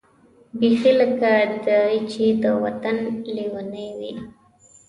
بېخي لکه دای چې د وطن لېونۍ وي.